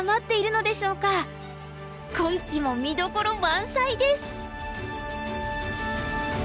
今期も見どころ満載です！